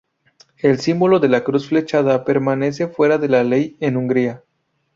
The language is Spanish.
El símbolo de la cruz flechada permanece fuera de la ley en Hungría.